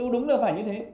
đúng là phải như thế